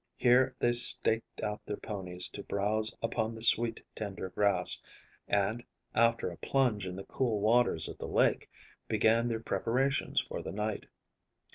Here they staked out their ponies to browse upon the sweet, tender grass, and, after a plunge in the cool waters of the lake, began their preparations for the night.